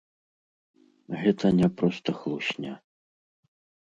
Гэта не проста хлусня.